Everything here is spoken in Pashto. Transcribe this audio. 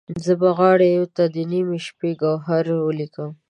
زه به وغاړې ته د نیمې شپې، ګوهر ولیکم